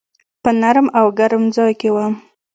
په نرم او ګرم ځای کي وم .